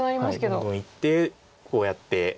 どんどんいってこうやって。